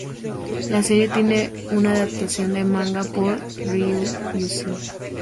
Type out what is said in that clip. La serie tiene una adaptación de manga por Ryū Usui.